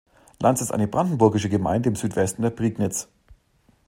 Lanz ist eine brandenburgische Gemeinde im Südwesten der Prignitz.